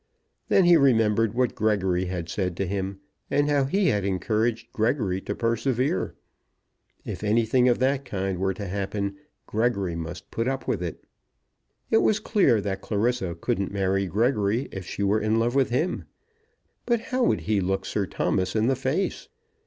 Then he remembered what Gregory had said to him, and how he had encouraged Gregory to persevere. If anything of that kind were to happen, Gregory must put up with it. It was clear that Clarissa couldn't marry Gregory if she were in love with him. But how would he look Sir Thomas in the face?